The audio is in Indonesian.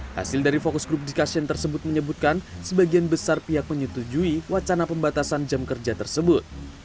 hasil dari fokus grup diskusi tersebut menyebutkan sebagian besar pihak menyetujui wacana pembatasan jam kerja tersebut